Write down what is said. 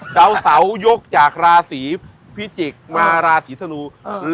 เจ้าเสายกจากราศรีพิจิกมาราศรีสนูล